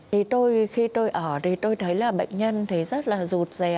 thì tôi khi tôi ở thì tôi thấy là bệnh nhân thấy rất là rụt rè